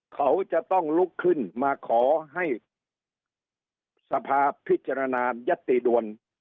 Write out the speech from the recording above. เขาจะต้องลุกขึ้นมาขอให้สภาพิจารณายัตติด่วน